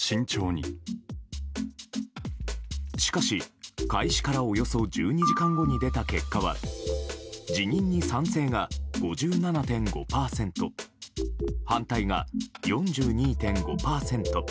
しかし、開始からおよそ１２時間後に出た結果は辞任に賛成が５７．５％反対が４２．５％。